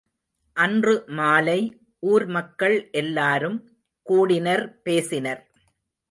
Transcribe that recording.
அன்று மாலை, ஊர் மக்கள் எல்லாரும் கூடினர்பேசினர்.